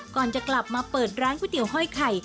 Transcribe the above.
ก่อนจะกลับมาเปิดร้านก๋วยเตี๋ห้อยไข่